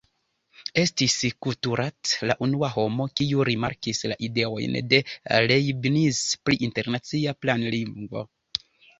Estis Couturat la unua homo, kiu rimarkis la ideojn de Leibniz pri internacia planlingvo.